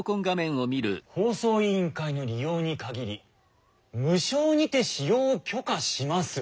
「放送委員会の利用に限り無償にて使用を許可します」。